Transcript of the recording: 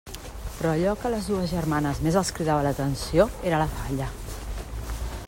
Però allò que a les dues germanes més els cridava l'atenció era la falla.